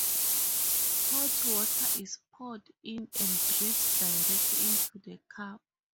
Hot water is poured in and drips directly into the cup.